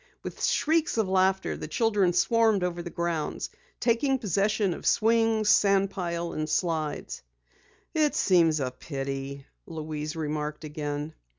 With shrieks of laughter, the children swarmed over the grounds, taking possession of swings, sand pile, and slides. "It seems a pity," Louise remarked again.